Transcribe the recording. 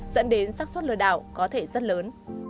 dẫn đến sắc xuất lừa đảo có thể rất lớn